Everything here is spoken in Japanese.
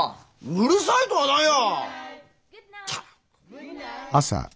うるさいとは何や！